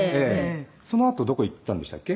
そのあとどこ行ったんでしたっけ？